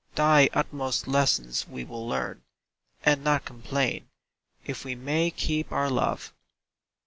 Thy utmost lessons we will learn, And not complain — if we may keep our love!